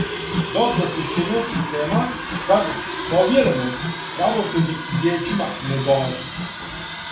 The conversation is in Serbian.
До прочишћења система, сад повјереног правосудним вијећима, не долази.